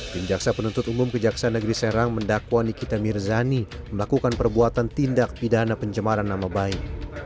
tim jaksa penuntut umum kejaksaan negeri serang mendakwa nikita mirzani melakukan perbuatan tindak pidana pencemaran nama baik